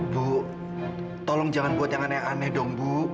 bu tolong jangan buat yang aneh aneh dong bu